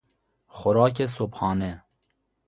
خوراک صبحانه